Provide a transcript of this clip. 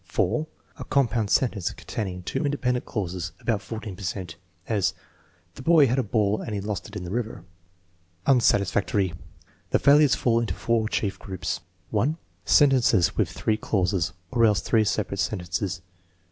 (4) A compound sentence containing two independent clauses (about 14 per cent); as: "The boy had a ball and he lost it in the river," Un&atijrfactory. The failures fall into four chief groups: (1) Sentences with three clauses (or else three separate sen tences).